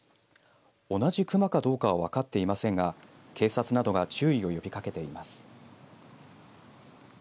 同じくクマかどうかは分かっていませんが警察などが注意を呼びかけています。